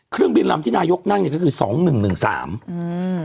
เครื่องบินลำที่นายกนั่งเนี้ยก็คือสองหนึ่งหนึ่งสามอืม